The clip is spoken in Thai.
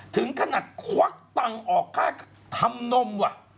ถึงขนาดควักตังออกภาพทำนมว่ะ